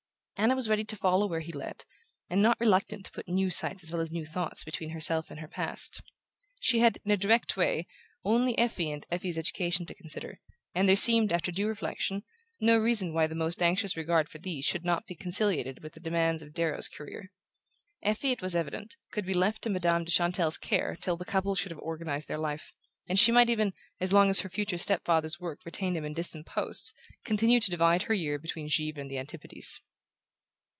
Anna was ready to follow where he led, and not reluctant to put new sights as well as new thoughts between herself and her past. She had, in a direct way, only Effie and Effie's education to consider; and there seemed, after due reflection, no reason why the most anxious regard for these should not be conciliated with the demands of Darrow's career. Effie, it was evident, could be left to Madame de Chantelle's care till the couple should have organized their life; and she might even, as long as her future step father's work retained him in distant posts, continue to divide her year between Givre and the antipodes.